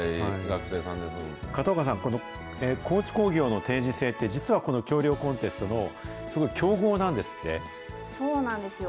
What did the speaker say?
片岡さん、この高知工業の定時制って、実はこの橋りょうコンテストの強豪なそうなんですよ。